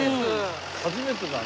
初めてだね。